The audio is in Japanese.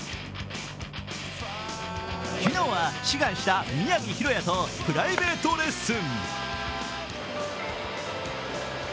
昨日は志願した宮城大弥とプライベートレッスン。